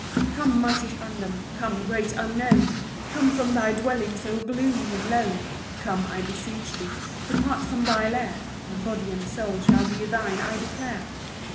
"Come, mighty phantom! come, great Unknown! Come from thy dwelling so gloomy and lone. Come, I beseech thee; depart from thy lair, And body and soul shall be thine, I declare.